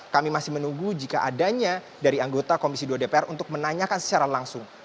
kami masih menunggu jika adanya dari anggota komisi dua dpr untuk menanyakan secara langsung